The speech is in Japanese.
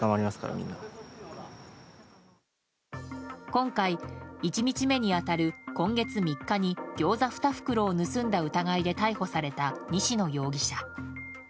今回、１日目に当たる今月３日にギョーザ２袋を盗んだ疑いで逮捕された西野容疑者。